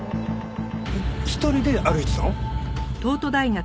一人で歩いてたの？